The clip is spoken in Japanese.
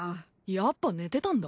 やっぱ寝てたんだ。